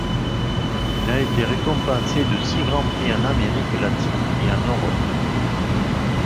Il a été récompensé de six grands prix en Amérique latine et en Europe.